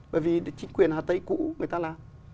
bởi vì chính quyền hà tây cũ người ta làm